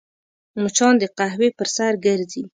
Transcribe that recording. مچان د قهوې پر سر ګرځي